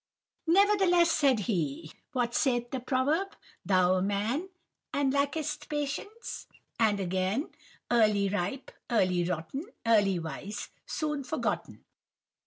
"'Nevertheless,' said he, 'what saith the proverb, "Thou a man, and lackest patience?" And again, "Early ripe, early rotten, Early wise, soon forgotten."